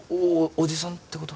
伯父さんってこと？